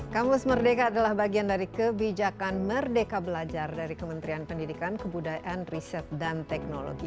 kampus merdeka adalah bagian dari kebijakan merdeka belajar dari kementerian pendidikan kebudayaan riset dan teknologi